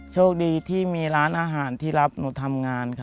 โชคดีที่มีร้านอาหารที่รับหนูทำงานค่ะ